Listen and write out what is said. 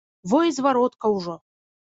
Во й зваротка ўжо.